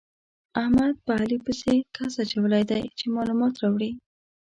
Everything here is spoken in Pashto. احمد په علي پسې کس اچولی دی چې مالومات راوړي.